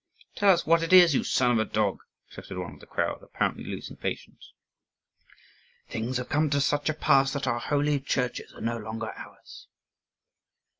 "Tell us what it is, you son of a dog!" shouted one of the crowd, apparently losing patience. "Things have come to such a pass that our holy churches are no longer ours."